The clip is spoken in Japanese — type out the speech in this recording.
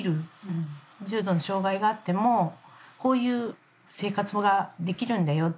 重度の障がいがあってもこういう生活ができるんだよ